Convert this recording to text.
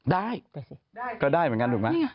ได้ก็ได้เหมือนกันถูกไหม